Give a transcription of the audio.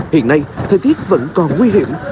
hiện nay thời tiết vẫn còn nguy hiểm